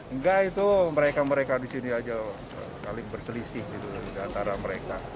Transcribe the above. enggak itu mereka mereka disini aja berselisih antara mereka